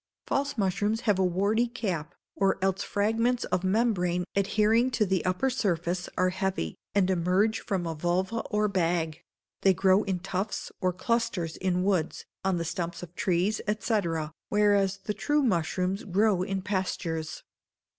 False mushrooms have a warty cap, or else fragments of membrane, adhering to the upper surface, are heavy, and emerge from a vulva or bag; they grow in tufts or clusters in woods, on the stumps of trees, &c., whereas the true mushrooms grow in pastures.